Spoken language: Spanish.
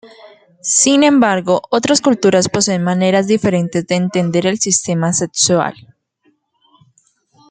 Sin embargo, otras culturas poseen maneras diferentes de entender el sistema sexual.